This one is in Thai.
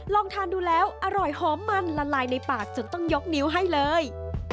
ลองทานดูแล้วอร่อยหอมมันละลายในปากจนต้องยกนิ้วให้เลย